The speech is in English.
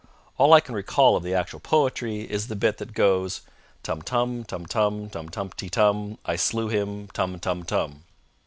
All I can recall of the actual poetry is the bit that goes: _Tum tum, tum tum, tum tumty tum, I slew him, tum tum tum!